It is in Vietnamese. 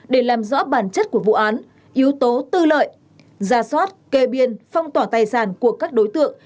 để làm rõ bản chất của vụ án yếu tố tư lợi ra soát kê biên phong tỏa tài sản của các đối tượng